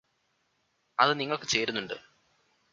അത് നിങ്ങൾക്ക് ചേരുന്നുണ്ട്